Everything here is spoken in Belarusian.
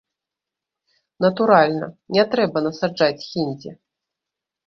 Натуральна, не трэба насаджаць хіндзі.